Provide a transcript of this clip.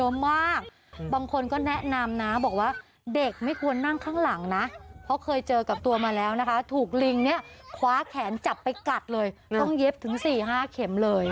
บางคนก็แนะนำนะบอกว่าเด็กไม่ควรนั่งข้างหลังนะเพราะเคยเจอกับตัวมาแล้วนะคะถูกลิงเนี่ยคว้าแขนจับไปกัดเลยต้องเย็บถึง๔๕เข็มเลย